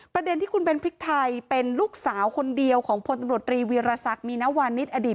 ประเด็นที่คุณเบ้นพริกไทยเป็นลูกสาวคนเดียวของพลตำรวจรีวีรศักดิ์มีนวานิสอดีต